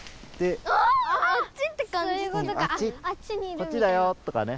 こっちだよとかね。